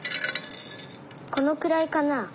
このくらいかな？